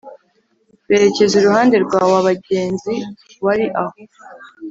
berekeza iruhande rwa wa abagenzi wari aho